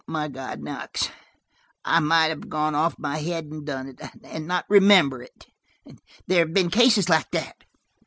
My God, Knox, I might have gone off my head and done it–and not remember it. There have been cases like that."